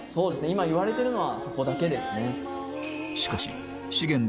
今言われてるのはそこだけですね。